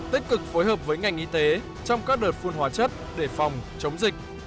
tích cực phối hợp với ngành y tế trong các đợt phun hóa chất để phòng chống dịch